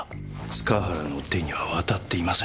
塚原の手には渡っていません。